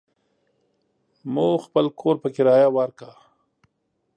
مو خپل کور په کريه وارکه.